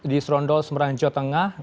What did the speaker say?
di serondol smeranjot